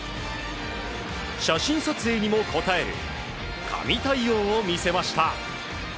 写真撮影にも応え神対応を見せました。